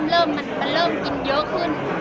เริ่มกินเยอะขึ้น